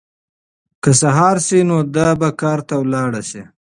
که سهار شي نو دی به کار ته لاړ شي.